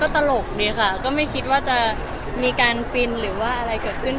ตลกดีค่ะก็ไม่คิดว่าจะมีการฟินหรือว่าอะไรเกิดขึ้น